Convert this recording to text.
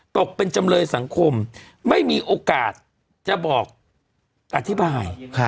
ตกเป็นจำเลยสังคมไม่มีโอกาสจะบอกอธิบาย